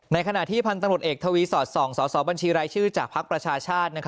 ในขณะที่พันธุรกิจเอกทวีสอส๒สสบัญชีไรชื่อจากภักดิ์ประชาชาติ